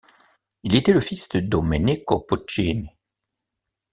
Il était le fils de Domenico Puccini.